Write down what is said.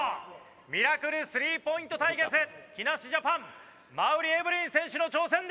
ミラクル３ポイント対決木梨ジャパン馬瓜エブリン選手の挑戦です！